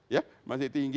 ya masih tinggi